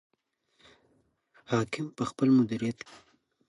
حاکم په خپل مدیریت کې.